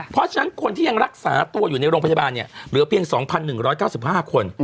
เพราะฉะนั้นคนที่ยังรักษาตัวอยู่ในโรงพยาบาลเนี่ยเหลือเพียง๒๑๙๕คน